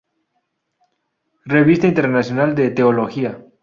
Revista Internacional de Teología".